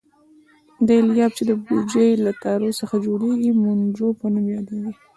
دا الیاف چې د بوجۍ له تارو څخه جوړېږي مونجو په نوم یادیږي.